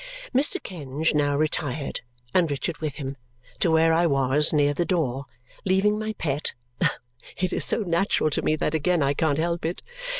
Mr. Kenge now retired, and Richard with him, to where I was, near the door, leaving my pet (it is so natural to me that again I can't help it!)